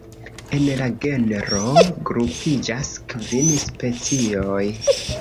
En la genro grupiĝas kvin specioj.